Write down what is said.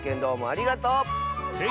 ありがとう！